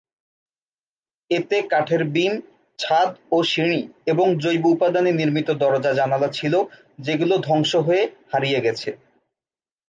এতে কাঠের বিম, ছাদ ও সিঁড়ি এবং জৈব উপাদানে নির্মিত দরজা জানালা ছিল যেগুলো ধ্বংস হয়ে হারিয়ে গেছে।